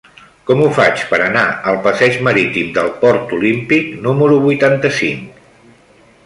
Com ho faig per anar al passeig Marítim del Port Olímpic número vuitanta-cinc?